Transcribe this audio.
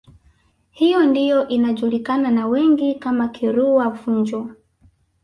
Hiyo ndiyo inajulikana na wengi kama Kirua Vunjo